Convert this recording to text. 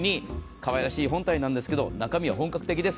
かわいらしい本体なんですけど、中身は本格的です。